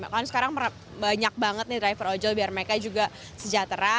kan sekarang banyak banget nih driver ojol biar mereka juga sejahtera